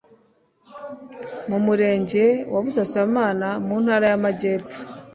mu Murenge wa Busasamana mu Ntara y'Amajyepfo,